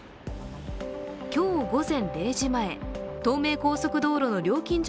今日午前０時前、東名高速道路の料金所